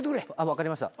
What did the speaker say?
分かりました。